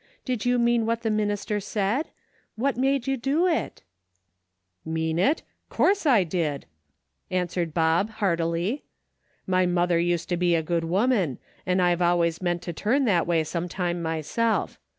Did you mean what the minister said ? What made you do it ?"" Mean it ? 'Course I did !" answered Bob, heartily. " My mother used to be a good woman, an' I've always meant to turn that DAILY RATE.^^ 309 way some time myself.